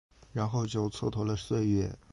然后就蹉跎了岁月